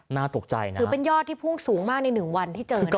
น่าตกใจนะถือเป็นยอดที่พุ่งสูงมากใน๑วันที่เจอนะคะ